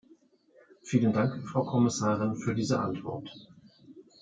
Vielen Dank, Frau Kommissarin, für diese Antwort.